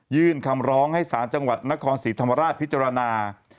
คำร้องให้สารจังหวัดนครศรีธรรมราชพิจารณา